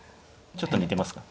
ちょっと似てますか？